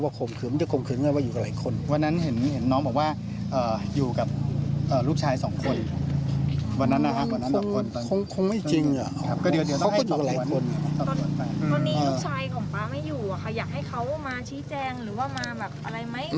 หรือว่ามาแบบอะไรไหม